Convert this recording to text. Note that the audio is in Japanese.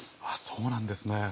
そうなんですね。